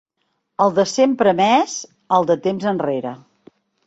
El de sempre més, el de temps enrere.